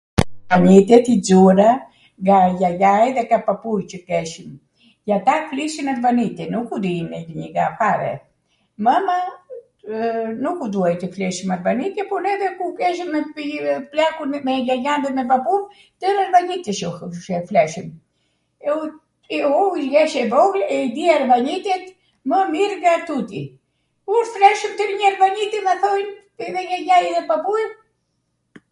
Arvanitet i xura nga jajai edhe nga papui qw keshwm. Ata flisnin arvanite, nuku dinin elinika fare. Mwma nuku duaj te flitshim arvanite po neve kur keshwm ne shpi plakun me jajan dhe me papun twr arvanite fleshwm. e u jesh e vogwl e i di arvanitet mw mir nga tuti. Kur fleshwm twrnjw arvanite na thojn edhe jajaja edhe papui...